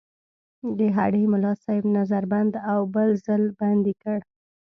د هډې ملاصاحب نظر بند او بل ځل بندي کړ.